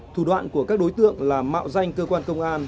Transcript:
thủ đoạn của các đối tượng là mạo danh cơ quan công an